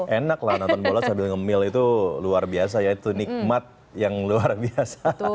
enak lah nonton bola sambil ngemil itu luar biasa ya itu nikmat yang luar biasa